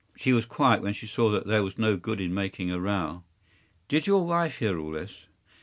She was quiet when she saw that there was no good in making a row.” “Did your wife hear all this?